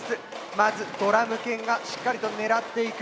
まずドラム犬がしっかりと狙っていく。